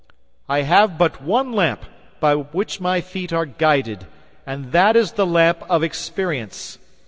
I have but one lamp by which my feet are guided, and that is the lamp of experience.